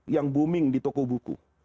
yang booming di toko buku